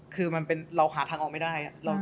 คือเราหาทางออกไม่ได้